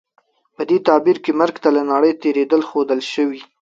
په دې تعبیر کې مرګ ته له نړۍ تېرېدل ښودل شوي.